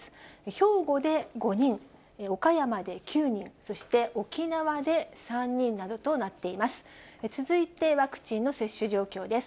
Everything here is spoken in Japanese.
兵庫で５人、岡山で９人、そして沖縄で３人などとなっています。